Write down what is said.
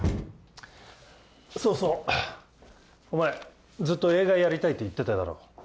そうそうお前ずっと映画やりたいって言ってただろ？